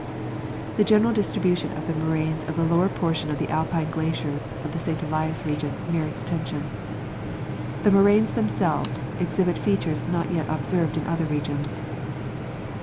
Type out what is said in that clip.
The general distribution of the moraines of the lower portion of the Alpine glaciers of the St. Elias region merits attention. The moraines themselves exhibit features not yet observed in other regions.